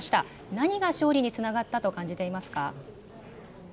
何が勝利につながったと感じていますか。